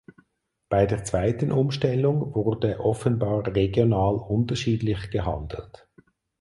Bei der zweiten Umstellung wurde offenbar regional unterschiedlich gehandelt.